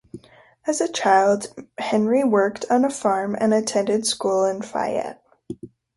As a child, Henry worked on a farm and attended school in Fayette.